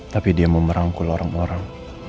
tapi dia memerangkul orang orang